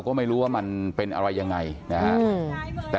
ก็กลายเป็นว่าติดต่อพี่น้องคู่นี้ไม่ได้เลยค่ะ